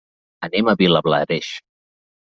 Anem a Vilablareix.